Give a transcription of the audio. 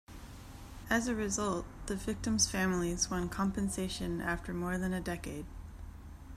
As a result, the victims' families won compensation after more than a decade.